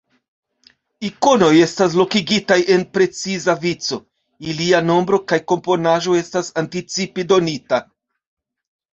Ikonoj estas lokigitaj en preciza vico, ilia nombro kaj komponaĵo estas anticipe donita.